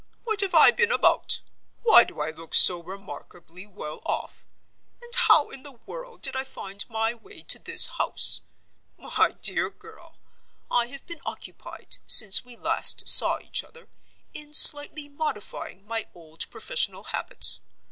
What have I been about? Why do I look so remarkably well off? And how in the world did I find my way to this house? My dear girl, I have been occupied, since we last saw each other, in slightly modifying my old professional habits.